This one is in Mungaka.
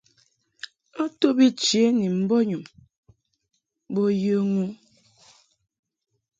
A to bi chě ni mbɔnyum bo yə ŋu.